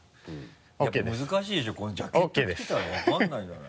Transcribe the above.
難しいでしょこのジャケット着てたら分からないんじゃない？